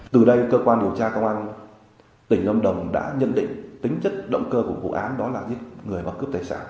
từ đây cơ quan điều tra công an tỉnh lâm đồng đã nhận định tính chất động cơ của vụ án đó là giết người và cướp tài sản